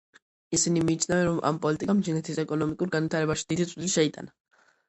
ისინი მიიჩნევენ რომ ამ პოლიტიკამ ჩინეთის ეკონომიკურ განვითარებაში დიდი წვლილი შეიტანა.